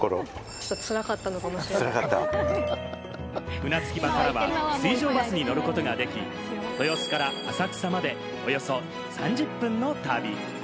船着場からは水上バスに乗ることができ、豊洲から浅草までおよそ３０分の旅。